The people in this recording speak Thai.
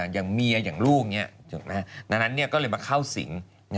อย่างเมียอย่างลูกดังนั้นก็เลยมาเข้าสิง